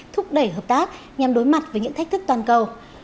thúc đẩy hợp tác nhằm đối mặt với những thách thức toàn cầu